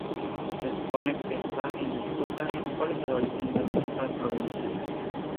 Se supone que está en disputa cual es el origen de esta provincia.